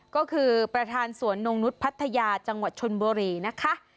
ก็คือประธานสวนนงนุษย์พัทยาจังหวัดชนบุรีนะคะ